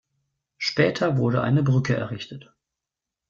Später wurde eine Brücke errichtet.